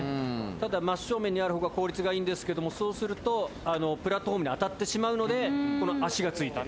ただ真っ正面にある方が効率がいいんですけどもそうするとプラットホームに当たってしまうのでこの脚が付いた。